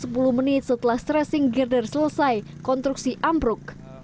selang sepuluh menit setelah tracing girder selesai konstruksi ambruk